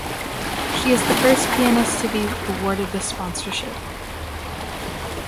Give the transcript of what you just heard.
She is the first pianist to be awarded this sponsorship.